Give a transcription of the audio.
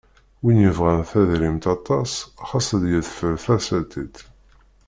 Win yebɣan tadrimt aṭas xas ad yeḍfeṛ tasartit.